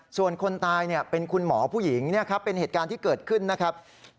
ส่วนคนตายเป็นคุณหมอผู้หญิงเป็นเหตุการณ์ที่เกิดขึ้นนะครับ